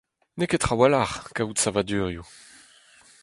N'eo ket trawalc'h kaout savadurioù.